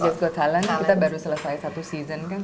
asia's got talent kita baru selesai satu season kan